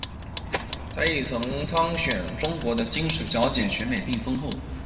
她亦曾参选中国的金石小姐选美并封后。